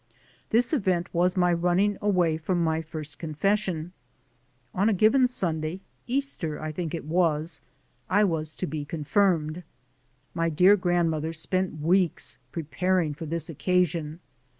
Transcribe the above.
This event was my running away from my first confession. On a given Sunday, Easter I think it was, I was to be confirmed. My dear grandmother spent weeks pre paring for this occasion.